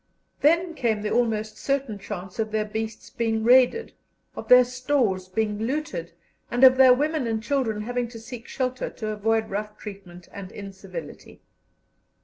Then came the almost certain chance of their beasts being raided, of their stores being looted, and of their women and children having to seek shelter to avoid rough treatment and incivility.